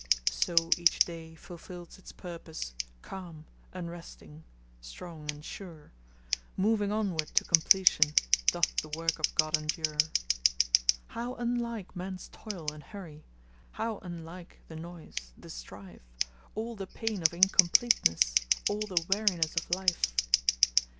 So each day fulfils its purpose, calm, unresting, strong, and sure, Moving onward to completion, doth the work of God endure. How unlike man's toil and hurry! how unlike the noise, the strife, All the pain of incompleteness, all the weariness of life!